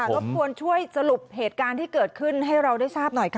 รบกวนช่วยสรุปเหตุการณ์ที่เกิดขึ้นให้เราได้ทราบหน่อยค่ะ